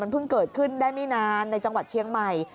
เพิ่งเกิดขึ้นได้ไม่นานในจังหวัดเชียงใหม่